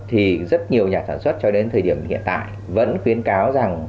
thì rất nhiều nhà sản xuất cho đến thời điểm hiện tại vẫn khuyến cáo rằng